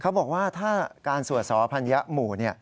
เขาบอกว่าถ้าการสวดสอพัญญะหมู่